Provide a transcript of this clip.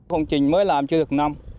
công trình mới làm chưa được năm